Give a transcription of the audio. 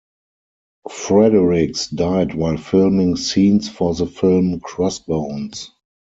Fredericks died while filming scenes for the film "CrossBones".